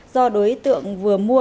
do đối tượng vừa mua